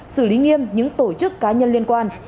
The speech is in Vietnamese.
xử lý nghiêm những tổ chức cá nhân liên quan